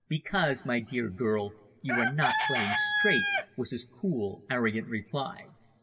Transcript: "Because, my dear girl, you are not playing straight," was his cool, arrogant reply.